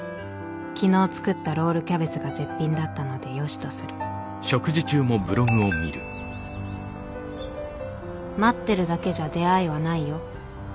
昨日作ったロールキャベツが絶品だったので良しとする」「『待ってるだけじゃ出会いはないよ』。